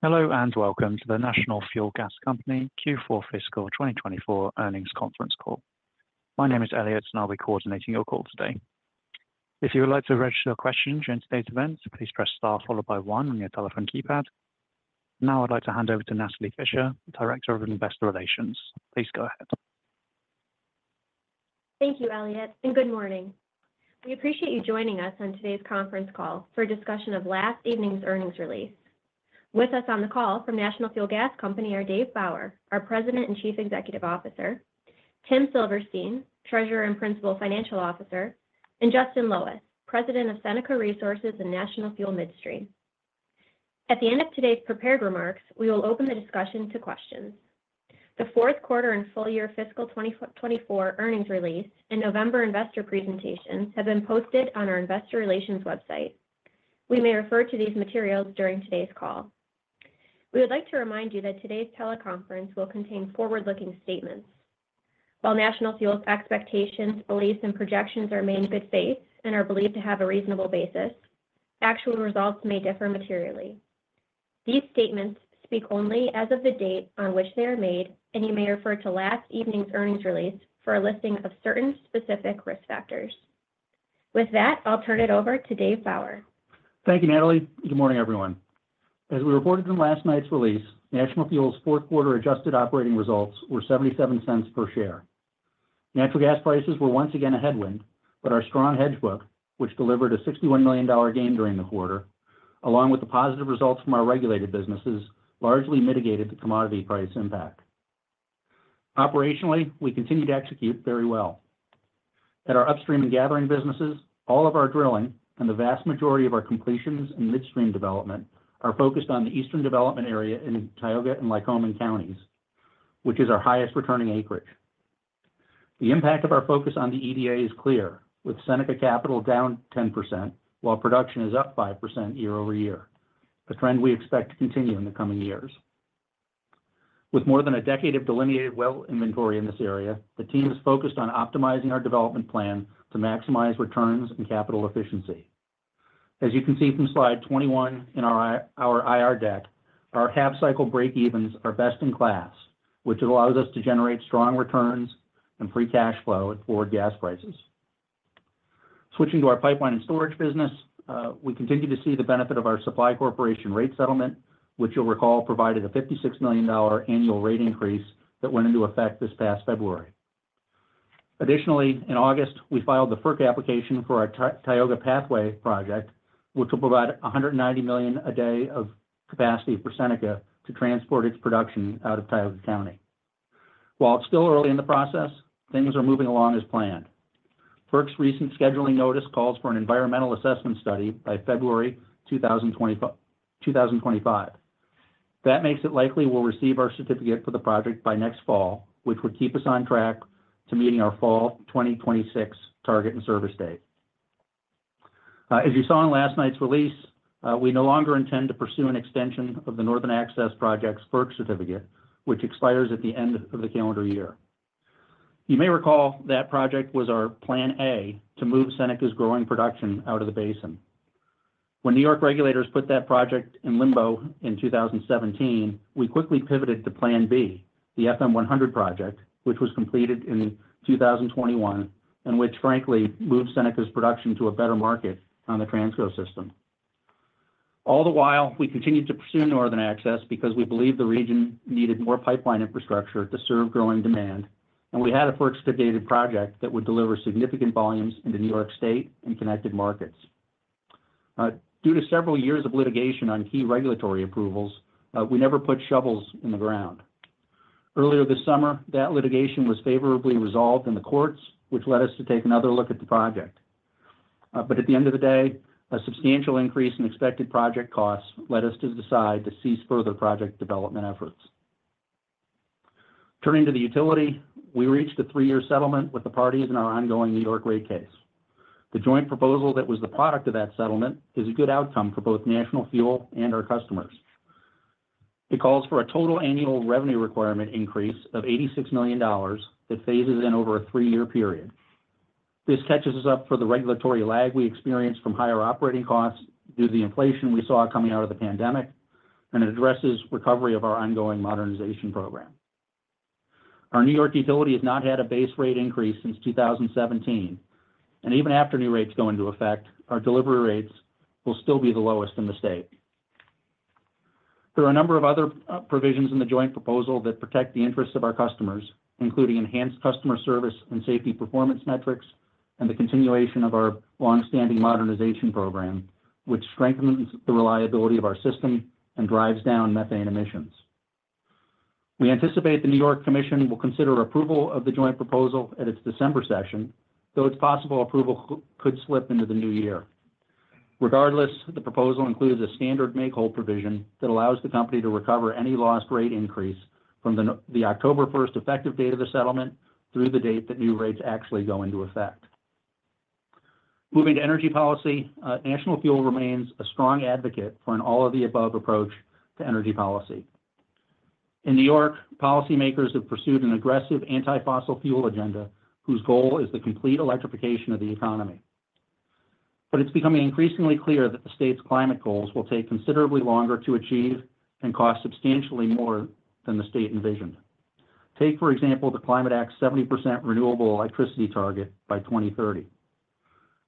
Hello and welcome to the National Fuel Gas Company Q4 fiscal 2024 Earnings Conference Call. My name is Elliot, and I'll be coordinating your call today. If you would like to register a question during today's event, please press star followed by one on your telephone keypad. Now I'd like to hand over to Natalie Fischer, Director of Investor Relations. Please go ahead. Thank you, Elliot, and good morning. We appreciate you joining us on today's conference call for a discussion of last evening's earnings release. With us on the call from National Fuel Gas Company are Dave Bauer, our President and Chief Executive Officer, Tim Silverstein, Treasurer and Principal Financial Officer, and Justin Loweth, President of Seneca Resources and National Fuel Midstream. At the end of today's prepared remarks, we will open the discussion to questions. The fourth quarter and full year fiscal 2024 earnings release and November investor presentations have been posted on our investor relations website. We may refer to these materials during today's call. We would like to remind you that today's teleconference will contain forward-looking statements. While National Fuel's expectations, beliefs, and projections are made in good faith and are believed to have a reasonable basis, actual results may differ materially. These statements speak only as of the date on which they are made, and you may refer to last evening's earnings release for a listing of certain specific risk factors. With that, I'll turn it over to Dave Bauer. Thank you, Natalie. Good morning, everyone. As we reported from last night's release, National Fuel's fourth quarter adjusted operating results were $0.77 per share. Natural gas prices were once again a headwind, but our strong hedge book, which delivered a $61 million gain during the quarter, along with the positive results from our regulated businesses, largely mitigated the commodity price impact. Operationally, we continue to execute very well. At our upstream and gathering businesses, all of our drilling and the vast majority of our completions and midstream development are focused on the Eastern Development Area in Tioga County and Lycoming County, which is our highest returning acreage. The impact of our focus on the EDA is clear, with Seneca capital down 10% while production is up 5% year over year, a trend we expect to continue in the coming years. With more than a decade of delineated well inventory in this area, the team is focused on optimizing our development plan to maximize returns and capital efficiency. As you can see from slide 21 in our IR deck, our half-cycle break-evens are best in class, which allows us to generate strong returns and free cash flow at forward gas prices. Switching to our pipeline and storage business, we continue to see the benefit of our Supply Corporation rate settlement, which you'll recall provided a $56 million annual rate increase that went into effect this past February. Additionally, in August, we filed the FERC application for our Tioga Pathway Project, which will provide 190 million a day of capacity for Seneca to transport its production out of Tioga County. While it's still early in the process, things are moving along as planned. FERC's recent scheduling notice calls for an environmental assessment study by February 2025. That makes it likely we'll receive our certificate for the project by next fall, which would keep us on track to meeting our fall 2026 target and service date. As you saw in last night's release, we no longer intend to pursue an extension of the Northern Access Project's FERC certificate, which expires at the end of the calendar year. You may recall that project was our plan A to move Seneca's growing production out of the basin. When New York regulators put that project in limbo in 2017, we quickly pivoted to plan B, the FM100 Project, which was completed in 2021 and which, frankly, moved Seneca's production to a better market on the Transco system. All the while, we continued to pursue Northern Access because we believed the region needed more pipeline infrastructure to serve growing demand, and we had a FERC-studied project that would deliver significant volumes into New York State and connected markets. Due to several years of litigation on key regulatory approvals, we never put shovels in the ground. Earlier this summer, that litigation was favorably resolved in the courts, which led us to take another look at the project. But at the end of the day, a substantial increase in expected project costs led us to decide to cease further project development efforts. Turning to the utility, we reached a three-year settlement with the parties in our ongoing New York rate case. The joint proposal that was the product of that settlement is a good outcome for both National Fuel and our customers. It calls for a total annual revenue requirement increase of $86 million that phases in over a three-year period. This catches us up for the regulatory lag we experienced from higher operating costs due to the inflation we saw coming out of the pandemic, and it addresses recovery of our ongoing modernization program. Our New York utility has not had a base rate increase since 2017, and even after new rates go into effect, our delivery rates will still be the lowest in the state. There are a number of other provisions in the joint proposal that protect the interests of our customers, including enhanced customer service and safety performance metrics and the continuation of our long-standing modernization program, which strengthens the reliability of our system and drives down methane emissions. We anticipate the New York Commission will consider approval of the joint proposal at its December session, though its possible approval could slip into the new year. Regardless, the proposal includes a standard make-whole provision that allows the company to recover any lost rate increase from the October 1 effective date of the settlement through the date that new rates actually go into effect. Moving to energy policy, National Fuel remains a strong advocate for an all-of-the-above approach to energy policy. In New York, policymakers have pursued an aggressive anti-fossil fuel agenda whose goal is the complete electrification of the economy. But it's becoming increasingly clear that the state's climate goals will take considerably longer to achieve and cost substantially more than the state envisioned. Take, for example, the Climate Act's 70% renewable electricity target by 2030.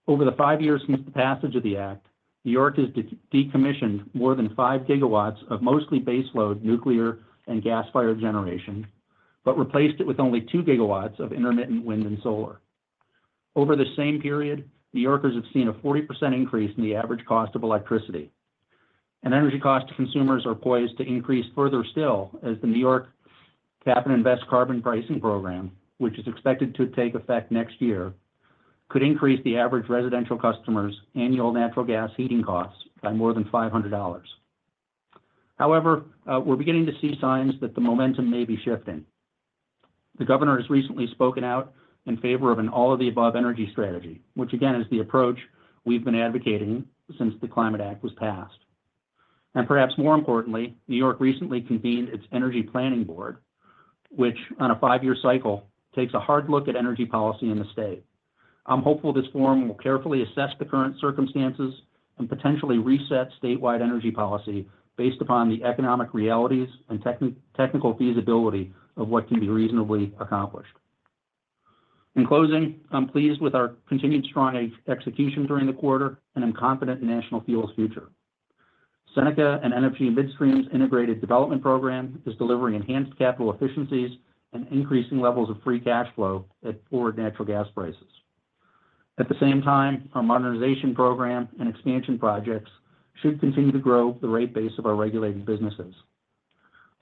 Over the five years since the passage of the act, New York has decommissioned more than five gigawatts of mostly baseload nuclear and gas-fired generation, but replaced it with only two gigawatts of intermittent wind and solar. Over the same period, New Yorkers have seen a 40% increase in the average cost of electricity. Energy costs to consumers are poised to increase further still as the New York Cap-and-Invest Program, which is expected to take effect next year, could increase the average residential customer's annual natural gas heating costs by more than $500. However, we're beginning to see signs that the momentum may be shifting. The governor has recently spoken out in favor of an all-of-the-above energy strategy, which, again, is the approach we've been advocating since the Climate Act was passed. Perhaps more importantly, New York recently convened its Energy Planning Board, which, on a five-year cycle, takes a hard look at energy policy in the state. I'm hopeful this forum will carefully assess the current circumstances and potentially reset statewide energy policy based upon the economic realities and technical feasibility of what can be reasonably accomplished. In closing, I'm pleased with our continued strong execution during the quarter, and I'm confident in National Fuel's future. Seneca and National Fuel Midstream's integrated development program is delivering enhanced capital efficiencies and increasing levels of free cash flow at forward natural gas prices. At the same time, our modernization program and expansion projects should continue to grow the rate base of our regulated businesses.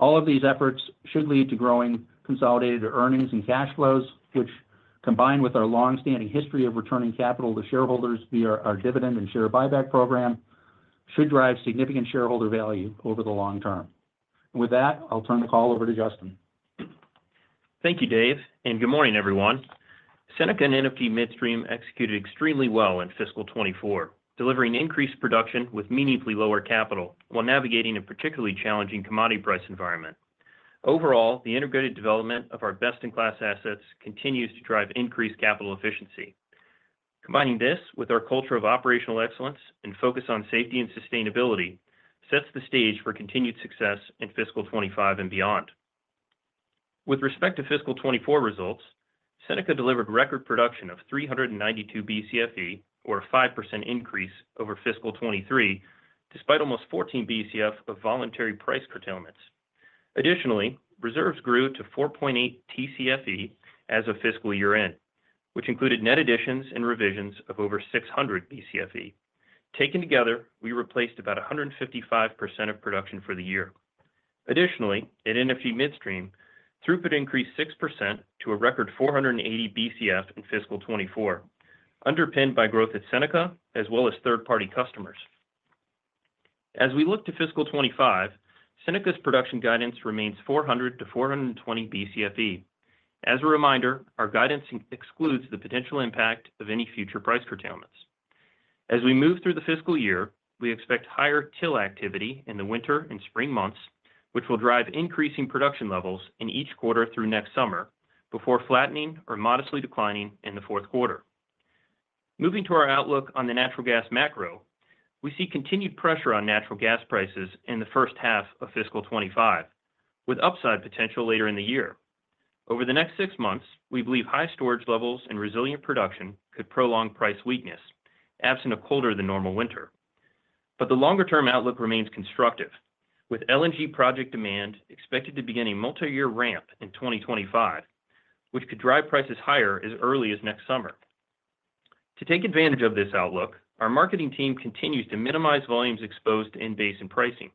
All of these efforts should lead to growing consolidated earnings and cash flows, which, combined with our long-standing history of returning capital to shareholders via our dividend and share buyback program, should drive significant shareholder value over the long term. And with that, I'll turn the call over to Justin. Thank you, Dave, and good morning, everyone. Seneca and NFG Midstream executed extremely well in fiscal 2024, delivering increased production with meaningfully lower capital while navigating a particularly challenging commodity price environment. Overall, the integrated development of our best-in-class assets continues to drive increased capital efficiency. Combining this with our culture of operational excellence and focus on safety and sustainability sets the stage for continued success in fiscal 2025 and beyond. With respect to fiscal 2024 results, Seneca delivered record production of 392 BCFE, or a 5% increase over fiscal 2023, despite almost 14 BCF of voluntary price curtailments. Additionally, reserves grew to 4.8 TCFE as of fiscal year-end, which included net additions and revisions of over 600 BCFE. Taken together, we replaced about 155% of production for the year. Additionally, at NFG Midstream, throughput increased 6% to a record 480 BCF in fiscal 2024, underpinned by growth at Seneca as well as third-party customers. As we look to fiscal 2025, Seneca's production guidance remains 400-420 BCFE. As a reminder, our guidance excludes the potential impact of any future price curtailments. As we move through the fiscal year, we expect higher drilling activity in the winter and spring months, which will drive increasing production levels in each quarter through next summer before flattening or modestly declining in the fourth quarter. Moving to our outlook on the natural gas macro, we see continued pressure on natural gas prices in the first half of fiscal 2025, with upside potential later in the year. Over the next six months, we believe high storage levels and resilient production could prolong price weakness, absent a colder than normal winter. But the longer-term outlook remains constructive, with LNG project demand expected to begin a multi-year ramp in 2025, which could drive prices higher as early as next summer. To take advantage of this outlook, our marketing team continues to minimize volumes exposed to in-basin pricing,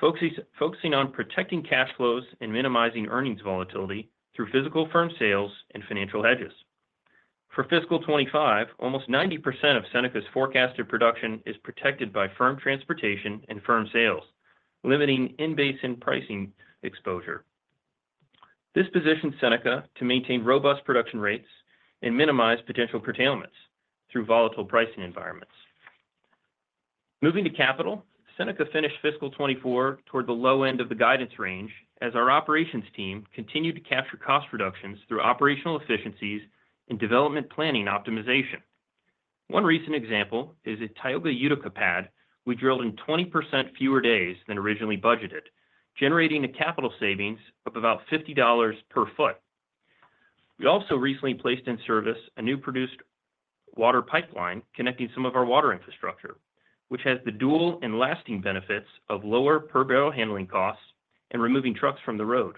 focusing on protecting cash flows and minimizing earnings volatility through physical firm sales and financial hedges. For fiscal 2025, almost 90% of Seneca's forecasted production is protected by firm transportation and firm sales, limiting in-basin pricing exposure. This positions Seneca to maintain robust production rates and minimize potential curtailments through volatile pricing environments. Moving to capital, Seneca finished fiscal 2024 toward the low end of the guidance range as our operations team continued to capture cost reductions through operational efficiencies and development planning optimization. One recent example is a Tioga Utica pad we drilled in 20% fewer days than originally budgeted, generating a capital savings of about $50 per foot. We also recently placed in service a new produced water pipeline connecting some of our water infrastructure, which has the dual and lasting benefits of lower per barrel handling costs and removing trucks from the road.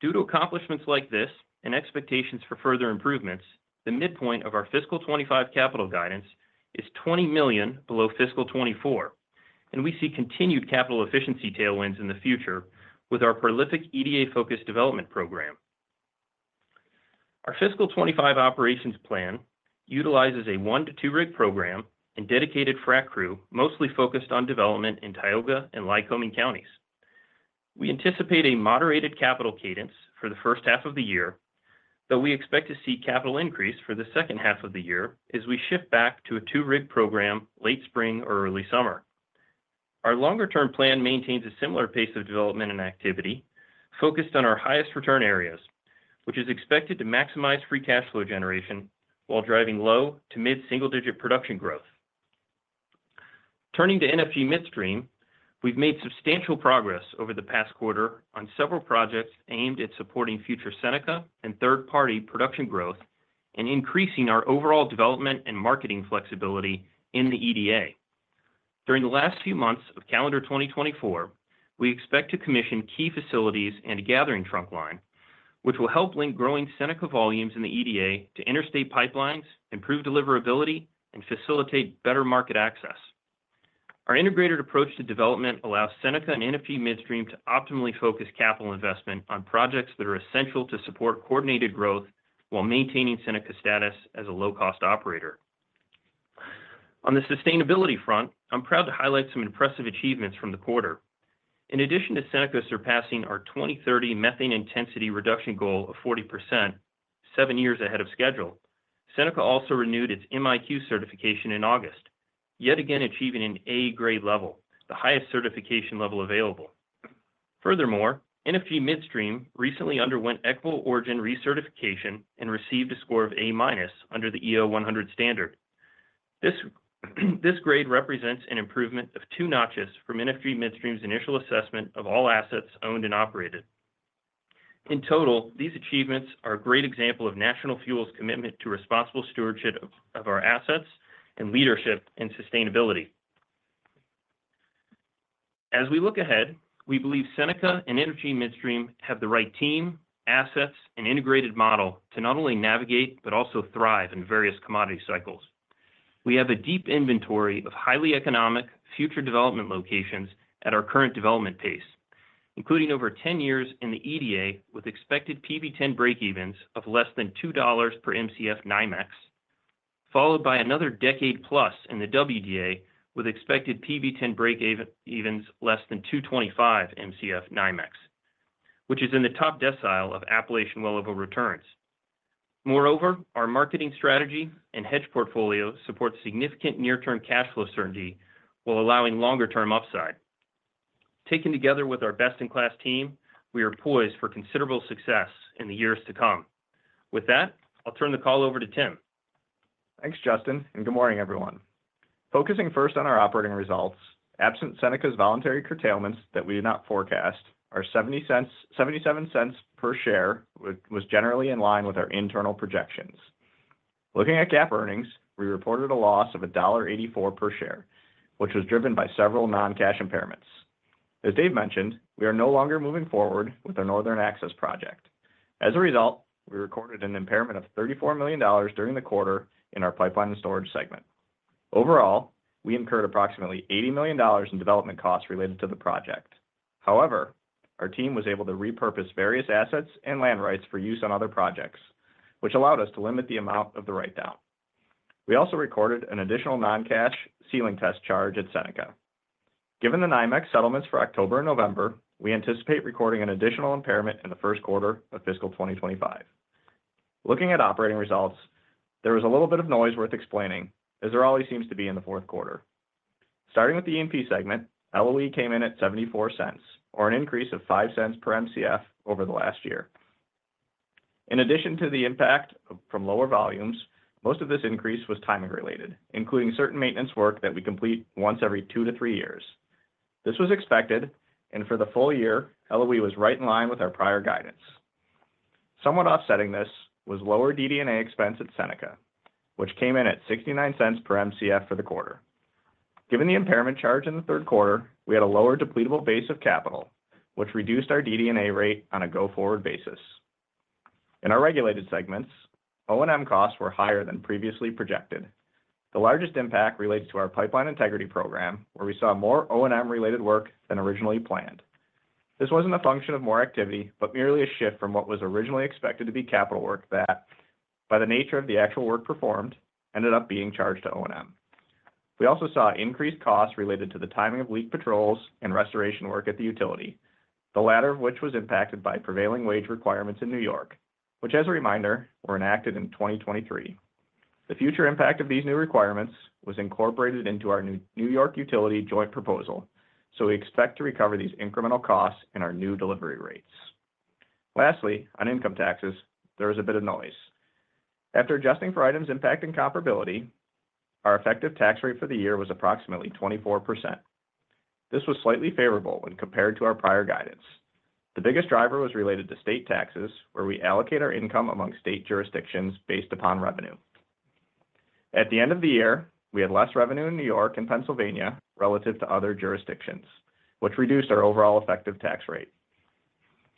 Due to accomplishments like this and expectations for further improvements, the midpoint of our fiscal 2025 capital guidance is $20 million below fiscal 2024, and we see continued capital efficiency tailwinds in the future with our prolific EDA-focused development program. Our fiscal 2025 operations plan utilizes a one-to-two rig program and dedicated frac crew mostly focused on development in Tioga and Lycoming counties. We anticipate a moderated capital cadence for the first half of the year, though we expect to see capital increase for the second half of the year as we shift back to a two-rig program late spring or early summer. Our longer-term plan maintains a similar pace of development and activity focused on our highest return areas, which is expected to maximize free cash flow generation while driving low to mid-single-digit production growth. Turning to NFG Midstream, we've made substantial progress over the past quarter on several projects aimed at supporting future Seneca and third-party production growth and increasing our overall development and marketing flexibility in the EDA. During the last few months of calendar 2024, we expect to commission key facilities and a gathering trunk line, which will help link growing Seneca volumes in the EDA to interstate pipelines, improve deliverability, and facilitate better market access. Our integrated approach to development allows Seneca and NFG Midstream to optimally focus capital investment on projects that are essential to support coordinated growth while maintaining Seneca status as a low-cost operator. On the sustainability front, I'm proud to highlight some impressive achievements from the quarter. In addition to Seneca surpassing our 2030 methane intensity reduction goal of 40%, seven years ahead of schedule, Seneca also renewed its MiQ certification in August, yet again achieving an A-grade level, the highest certification level available. Furthermore, NFG Midstream recently underwent Equal Origin recertification and received a score of A- under the EO100 standard. This grade represents an improvement of two notches from NFG Midstream's initial assessment of all assets owned and operated. In total, these achievements are a great example of National Fuel's commitment to responsible stewardship of our assets and leadership in sustainability. As we look ahead, we believe Seneca and NFG Midstream have the right team, assets, and integrated model to not only navigate but also thrive in various commodity cycles. We have a deep inventory of highly economic future development locations at our current development pace, including over 10 years in the EDA with expected PV-10 breakevens of less than $2 per MCF NYMEX, followed by another decade plus in the WDA with expected PV-10 breakevens less than $2.25 per MCF NYMEX, which is in the top decile of Appalachian Well-Level Returns. Moreover, our marketing strategy and hedge portfolio support significant near-term cash flow certainty while allowing longer-term upside. Taken together with our best-in-class team, we are poised for considerable success in the years to come. With that, I'll turn the call over to Tim. Thanks, Justin, and good morning, everyone. Focusing first on our operating results, absent Seneca's voluntary curtailments that we did not forecast, our $0.77 per share was generally in line with our internal projections. Looking at GAAP earnings, we reported a loss of $1.84 per share, which was driven by several non-cash impairments. As Dave mentioned, we are no longer moving forward with our Northern Access Project. As a result, we recorded an impairment of $34 million during the quarter in our pipeline and storage segment. Overall, we incurred approximately $80 million in development costs related to the project. However, our team was able to repurpose various assets and land rights for use on other projects, which allowed us to limit the amount of the write-down. We also recorded an additional non-cash ceiling test charge at Seneca. Given the NYMEX settlements for October and November, we anticipate recording an additional impairment in the first quarter of fiscal 2025. Looking at operating results, there was a little bit of noise worth explaining, as there always seems to be in the fourth quarter. Starting with the E&P segment, LOE came in at $0.74, or an increase of $0.05 per MCF over the last year. In addition to the impact from lower volumes, most of this increase was timing-related, including certain maintenance work that we complete once every two to three years. This was expected, and for the full year, LOE was right in line with our prior guidance. Somewhat offsetting this was lower DD&A expense at Seneca, which came in at $0.69 per MCF for the quarter. Given the impairment charge in the third quarter, we had a lower depletable base of capital, which reduced our DD&A rate on a go-forward basis. In our regulated segments, O&M costs were higher than previously projected. The largest impact relates to our pipeline integrity program, where we saw more O&M-related work than originally planned. This wasn't a function of more activity, but merely a shift from what was originally expected to be capital work that, by the nature of the actual work performed, ended up being charged to O&M. We also saw increased costs related to the timing of leak patrols and restoration work at the utility, the latter of which was impacted by prevailing wage requirements in New York, which, as a reminder, were enacted in 2023. The future impact of these new requirements was incorporated into our New York utility joint proposal, so we expect to recover these incremental costs in our new delivery rates. Lastly, on income taxes, there was a bit of noise. After adjusting for items impacting comparability, our effective tax rate for the year was approximately 24%. This was slightly favorable when compared to our prior guidance. The biggest driver was related to state taxes, where we allocate our income among state jurisdictions based upon revenue. At the end of the year, we had less revenue in New York and Pennsylvania relative to other jurisdictions, which reduced our overall effective tax rate.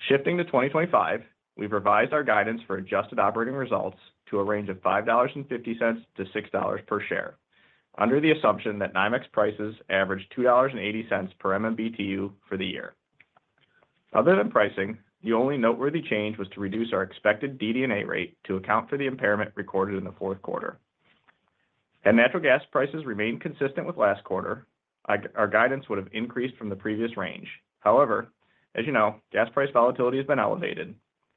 Shifting to 2025, we've revised our guidance for adjusted operating results to a range of $5.50-$6 per share, under the assumption that NYMEX prices averaged $2.80 per MMBtu for the year. Other than pricing, the only noteworthy change was to reduce our expected DD&A rate to account for the impairment recorded in the fourth quarter. Had natural gas prices remained consistent with last quarter, our guidance would have increased from the previous range. However, as you know, gas price volatility has been elevated,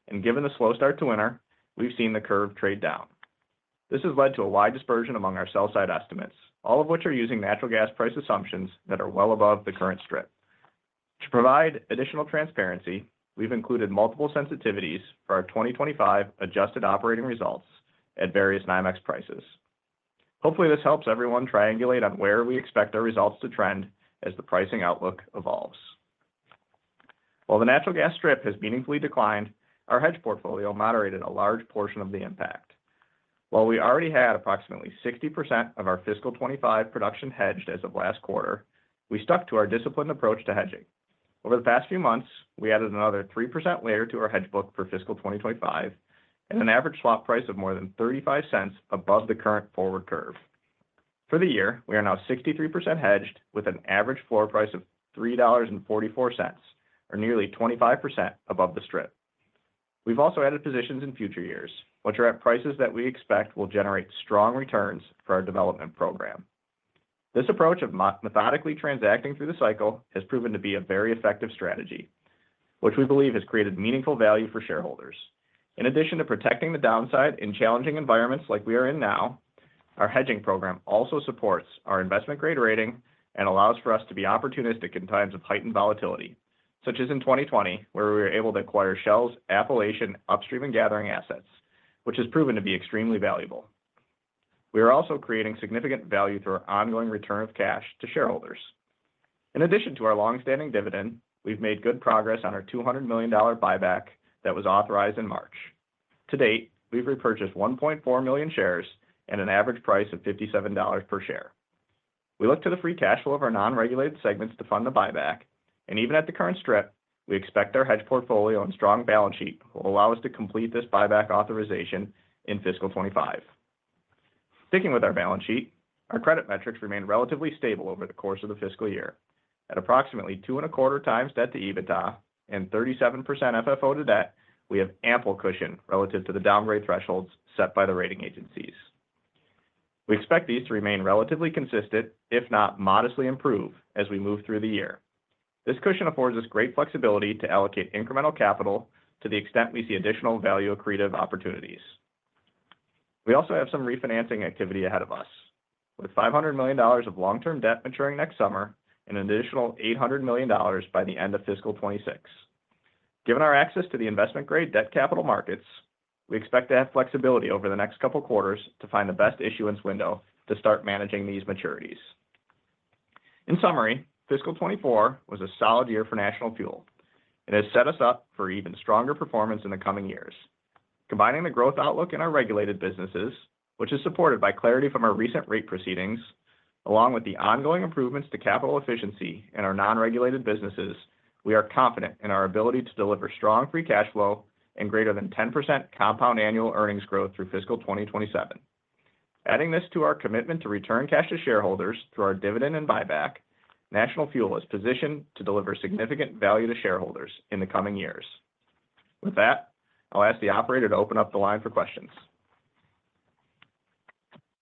and given the slow start to winter, we've seen the curve trade down. This has led to a wide dispersion among our sell-side estimates, all of which are using natural gas price assumptions that are well above the current strip. To provide additional transparency, we've included multiple sensitivities for our 2025 adjusted operating results at various NYMEX prices. Hopefully, this helps everyone triangulate on where we expect our results to trend as the pricing outlook evolves. While the natural gas strip has meaningfully declined, our hedge portfolio moderated a large portion of the impact. While we already had approximately 60% of our fiscal 2025 production hedged as of last quarter, we stuck to our disciplined approach to hedging. Over the past few months, we added another 3% layer to our hedge book for fiscal 2025 at an average swap price of more than $0.35 above the current forward curve. For the year, we are now 63% hedged with an average floor price of $3.44, or nearly 25% above the strip. We've also added positions in future years, which are at prices that we expect will generate strong returns for our development program. This approach of methodically transacting through the cycle has proven to be a very effective strategy, which we believe has created meaningful value for shareholders. In addition to protecting the downside in challenging environments like we are in now, our hedging program also supports our investment-grade rating and allows for us to be opportunistic in times of heightened volatility, such as in 2020, where we were able to acquire Shell's Appalachian upstream and gathering assets, which has proven to be extremely valuable. We are also creating significant value through our ongoing return of cash to shareholders. In addition to our long-standing dividend, we've made good progress on our $200 million buyback that was authorized in March. To date, we've repurchased 1.4 million shares at an average price of $57 per share. We look to the free cash flow of our non-regulated segments to fund the buyback, and even at the current strip, we expect our hedge portfolio and strong balance sheet will allow us to complete this buyback authorization in fiscal 2025. Sticking with our balance sheet, our credit metrics remain relatively stable over the course of the fiscal year. At approximately two and a quarter times debt to EBITDA and 37% FFO to debt, we have ample cushion relative to the downgrade thresholds set by the rating agencies. We expect these to remain relatively consistent, if not modestly improved, as we move through the year. This cushion affords us great flexibility to allocate incremental capital to the extent we see additional value-accretive opportunities. We also have some refinancing activity ahead of us, with $500 million of long-term debt maturing next summer and an additional $800 million by the end of fiscal 2026. Given our access to the investment-grade debt capital markets, we expect to have flexibility over the next couple of quarters to find the best issuance window to start managing these maturities. In summary, fiscal 2024 was a solid year for National Fuel and has set us up for even stronger performance in the coming years. Combining the growth outlook in our regulated businesses, which is supported by clarity from our recent rate proceedings, along with the ongoing improvements to capital efficiency in our non-regulated businesses, we are confident in our ability to deliver strong free cash flow and greater than 10% compound annual earnings growth through fiscal 2027. Adding this to our commitment to return cash to shareholders through our dividend and buyback, National Fuel is positioned to deliver significant value to shareholders in the coming years. With that, I'll ask the operator to open up the line for questions.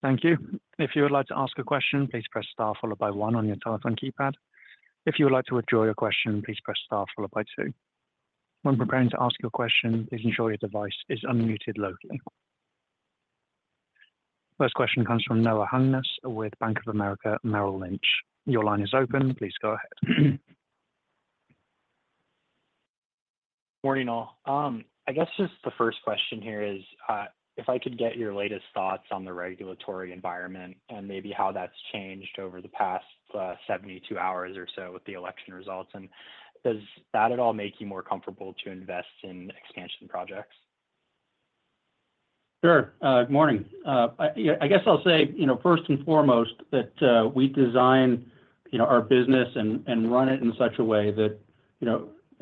Thank you. If you would like to ask a question, please press star followed by one on your telephone keypad. If you would like to withdraw your question, please press star followed by two. When preparing to ask your question, please ensure your device is unmuted locally. First question comes from Noah Hungness with Bank of America, Merrill Lynch. Your line is open. Please go ahead. Morning, all. I guess just the first question here is if I could get your latest thoughts on the regulatory environment and maybe how that's changed over the past 72 hours or so with the election results. And does that at all make you more comfortable to invest in expansion projects? Sure. Good morning. I guess I'll say, you know, first and foremost, that we design our business and run it in such a way that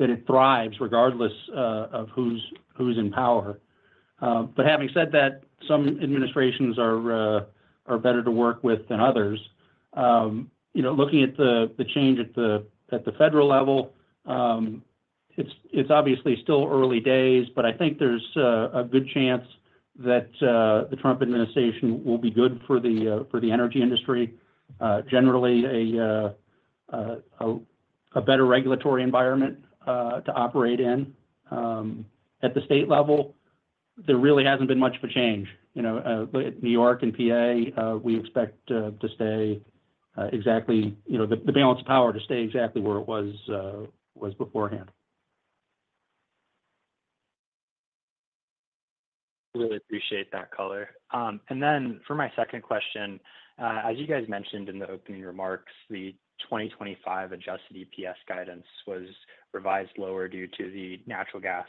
it thrives regardless of who's in power. But having said that, some administrations are better to work with than others. Looking at the change at the federal level, it's obviously still early days, but I think there's a good chance that the Trump administration will be good for the energy industry, generally a better regulatory environment to operate in. At the state level, there really hasn't been much of a change. In New York and PA, we expect the balance of power to stay exactly where it was beforehand. Really appreciate that color. And then for my second question, as you guys mentioned in the opening remarks, the 2025 Adjusted EPS guidance was revised lower due to the natural gas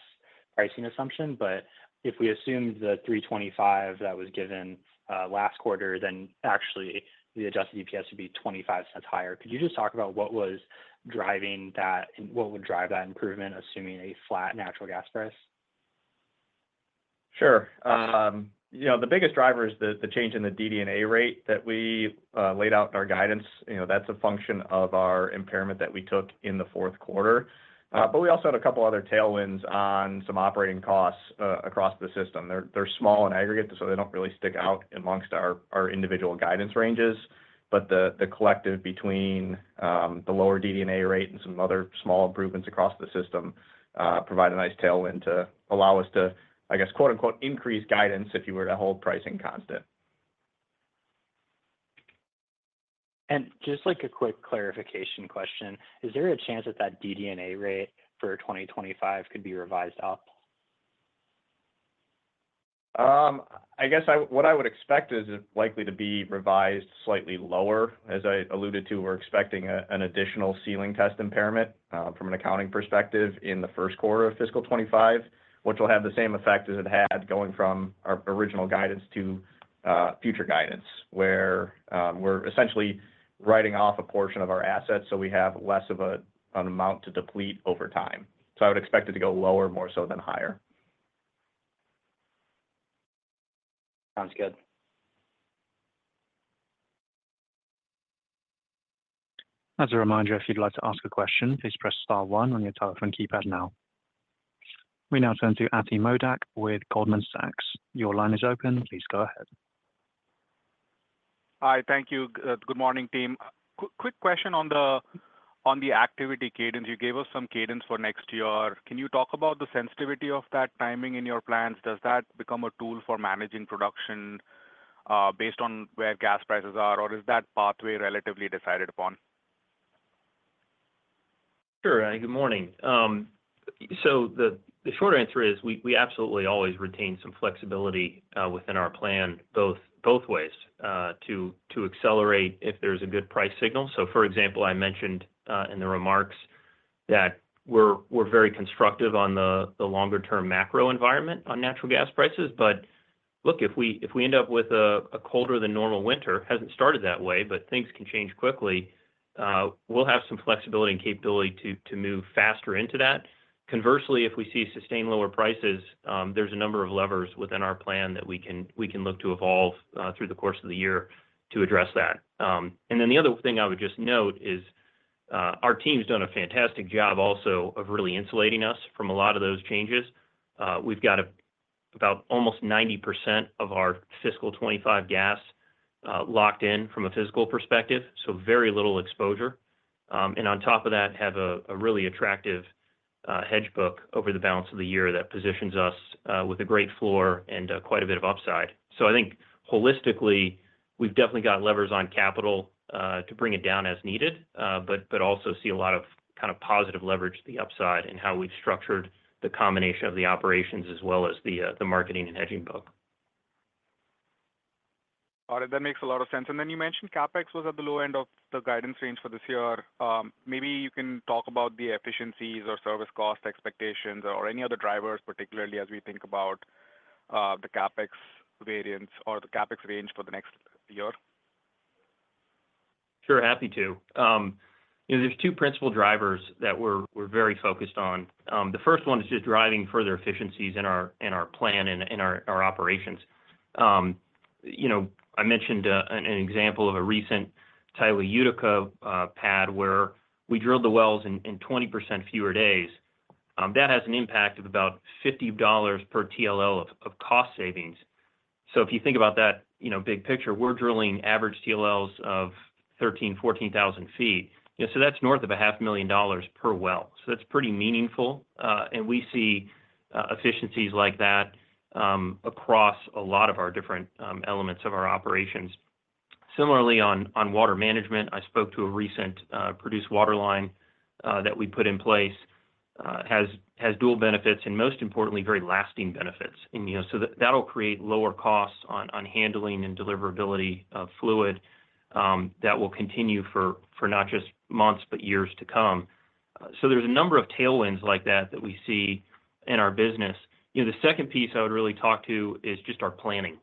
pricing assumption. But if we assume the $3.25 that was given last quarter, then actually the Adjusted EPS would be $0.25 higher. Could you just talk about what was driving that and what would drive that improvement, assuming a flat natural gas price? Sure. You know, the biggest driver is the change in the DD&A rate that we laid out in our guidance. You know, that's a function of our impairment that we took in the fourth quarter. But we also had a couple of other tailwinds on some operating costs across the system. They're small in aggregate, so they don't really stick out amongst our individual guidance ranges. But the collective between the lower DD&A rate and some other small improvements across the system provide a nice tailwind to allow us to, I guess, quote-unquote, "increase guidance" if you were to hold pricing constant. Just like a quick clarification question, is there a chance that that DD&A rate for 2025 could be revised up? I guess what I would expect is likely to be revised slightly lower. As I alluded to, we're expecting an additional ceiling test impairment from an accounting perspective in the first quarter of fiscal 2025, which will have the same effect as it had going from our original guidance to future guidance, where we're essentially writing off a portion of our assets so we have less of an amount to deplete over time. So I would expect it to go lower more so than higher. Sounds good. As a reminder, if you'd like to ask a question, please press star one on your telephone keypad now. We now turn to Ati Modak with Goldman Sachs. Your line is open. Please go ahead. Hi, thank you. Good morning, team. Quick question on the activity cadence. You gave us some cadence for next year. Can you talk about the sensitivity of that timing in your plans? Does that become a tool for managing production based on where gas prices are, or is that pathway relatively decided upon? Sure. Good morning. So the short answer is we absolutely always retain some flexibility within our plan both ways to accelerate if there's a good price signal. So, for example, I mentioned in the remarks that we're very constructive on the longer-term macro environment on natural gas prices. But look, if we end up with a colder than normal winter, it hasn't started that way, but things can change quickly, we'll have some flexibility and capability to move faster into that. Conversely, if we see sustained lower prices, there's a number of levers within our plan that we can look to evolve through the course of the year to address that. And then the other thing I would just note is our team's done a fantastic job also of really insulating us from a lot of those changes. We've got about almost 90% of our fiscal 2025 gas locked in from a fiscal perspective, so very little exposure. And on top of that, have a really attractive hedge book over the balance of the year that positions us with a great floor and quite a bit of upside. So I think holistically, we've definitely got levers on capital to bring it down as needed, but also see a lot of kind of positive leverage to the upside in how we've structured the combination of the operations as well as the marketing and hedging book. All right. That makes a lot of sense. And then you mentioned CapEx was at the low end of the guidance range for this year. Maybe you can talk about the efficiencies or service cost expectations or any other drivers, particularly as we think about the CapEx variance or the CapEx range for the next year? Sure, happy to. There's two principal drivers that we're very focused on. The first one is just driving further efficiencies in our plan and our operations. I mentioned an example of a recent Tioga Utica pad where we drilled the wells in 20% fewer days. That has an impact of about $50 per TLL of cost savings. So if you think about that big picture, we're drilling average TLLs of 13,000-14,000 feet. So that's north of $500,000 per well. So that's pretty meaningful. And we see efficiencies like that across a lot of our different elements of our operations. Similarly, on water management, I spoke to a recent produced water line that we put in place has dual benefits and, most importantly, very lasting benefits. And so that'll create lower costs on handling and deliverability of fluid that will continue for not just months, but years to come. So there's a number of tailwinds like that that we see in our business. The second piece I would really talk to is just our planning.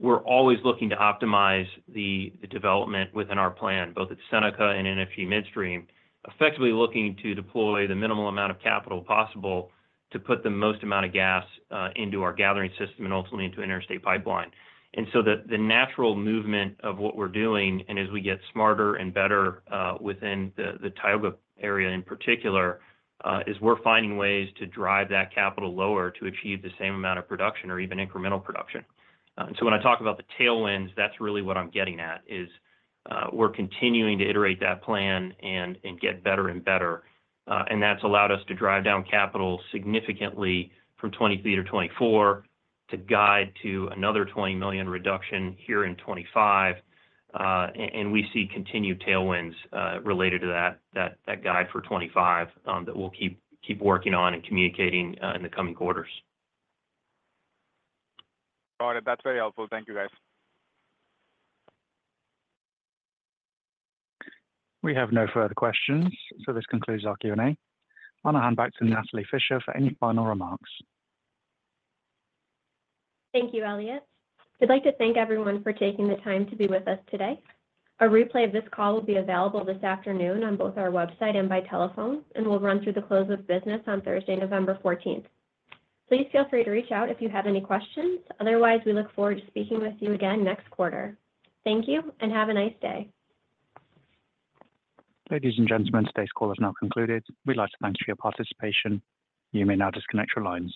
We're always looking to optimize the development within our plan, both at Seneca and NFG Midstream, effectively looking to deploy the minimal amount of capital possible to put the most amount of gas into our gathering system and ultimately into interstate pipeline. And so the natural movement of what we're doing and as we get smarter and better within the Tioga area in particular is we're finding ways to drive that capital lower to achieve the same amount of production or even incremental production. And so when I talk about the tailwinds, that's really what I'm getting at is we're continuing to iterate that plan and get better and better. And that's allowed us to drive down capital significantly from 2024, guiding to another $20 million reduction here in 2025. And we see continued tailwinds related to that guide for 2025 that we'll keep working on and communicating in the coming quarters. All right. That's very helpful. Thank you, guys. We have no further questions. So this concludes our Q&A. I'll now hand back to Natalie Fischer for any final remarks. Thank you, Elliott. We'd like to thank everyone for taking the time to be with us today. A replay of this call will be available this afternoon on both our website and by telephone, and we'll run through the close of business on Thursday, November 14th. Please feel free to reach out if you have any questions. Otherwise, we look forward to speaking with you again next quarter. Thank you and have a nice day. Ladies and gentlemen, today's call has now concluded. We'd like to thank you for your participation. You may now disconnect your lines.